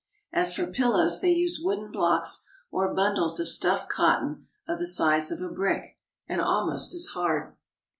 As for pillows they use wooden blocks or bundles of stuffed cotton of the size of a brick and almost as hard.